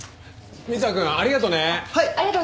三ツ矢くんありがとね。